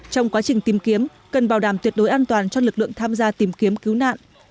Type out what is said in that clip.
trong quá trình tìm kiếm cần bảo đảm tuyệt đối an toàn cho lực lượng tham gia tìm kiếm cứu nạn